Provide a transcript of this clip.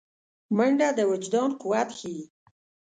منډه د وجدان قوت ښيي